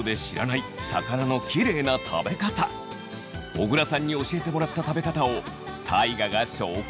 小倉さんに教えてもらった食べ方を大我が紹介。